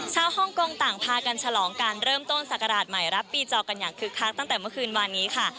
ฮ่องกงต่างพากันฉลองการเริ่มต้นศักราชใหม่รับปีจอกันอย่างคึกคักตั้งแต่เมื่อคืนวานนี้ค่ะ